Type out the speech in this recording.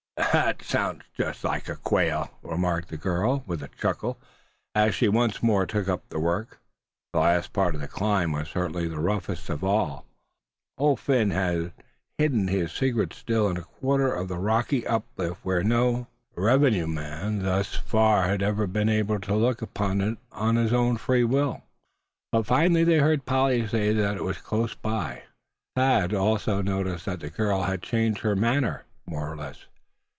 "Thet sounds jest like a Quail," remarked the girl, with a chuckle, as she once more took up the work. The last part of the climb was certainly the roughest of all. Old Phin had hidden his secret Still in a quarter of the rocky uplift where no revenue man thus far had ever been able to look upon it of his own free will. But finally they heard Polly say that it was close by. Thad also noticed that the girl had changed her manner more or less.